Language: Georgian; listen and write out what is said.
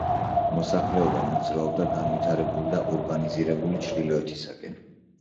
მოსახლეობა მოძრაობდა განვითარებული და ურბანიზირებული ჩრდილოეთისკენ.